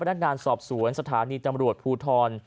นักงานสอบสวนสถานีตำรวจภูทร